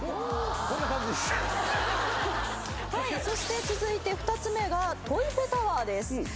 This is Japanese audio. そして続いて２つ目がトイペタワーです。